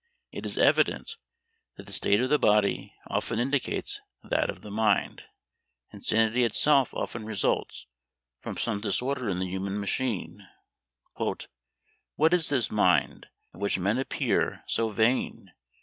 It is evident that the state of the body often indicates that of the mind. Insanity itself often results from some disorder in the human machine. "What is this MIND, of which men appear so vain?"